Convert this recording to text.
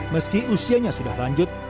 meski usianya sudah lanjut